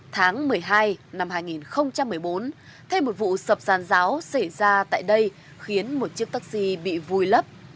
tháng một mươi hai năm hai nghìn một mươi bốn thêm một vụ sập giàn giáo xảy ra tại đây khiến một chiếc taxi bị vùi lấp